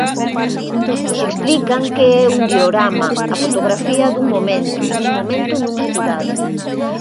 Explican que é un diorama, a fotografía dun momento, dun momento nunha cidade.